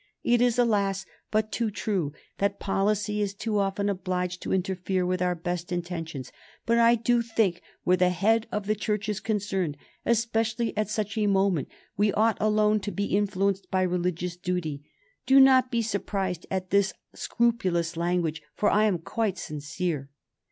It is, alas! but too true that policy is too often obliged to interfere with our best intentions, but I do think where the head of the Church is concerned, especially at such a moment, we ought alone to be influenced by religious duty. Do not be surprised at this scrupulous language, for I am quite sincere."